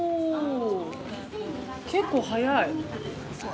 ◆結構速い。